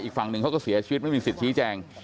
อีกฝั่งหนึ่งเขาก็เสียชีวิตไม่มีสิทธิ์ชี้แจง